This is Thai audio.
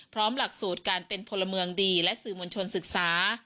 หลักสูตรการเป็นพลเมืองดีและสื่อมวลชนศึกษา